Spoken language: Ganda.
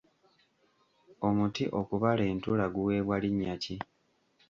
Omuti okubala entula guweebwa linnya ki?